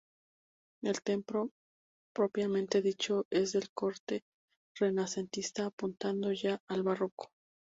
El templo propiamente dicho es de corte renacentista apuntando ya al barroco.